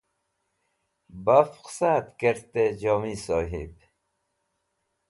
baf qẽsa'et kerty jomi sohib